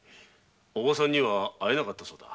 叔母さんには会えなかったそうだ。